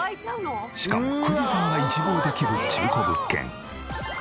しかも富士山が一望できる中古物件。